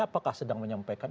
apakah sedang menyampaikan